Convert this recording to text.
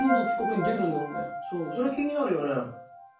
そうそれ気になるよね。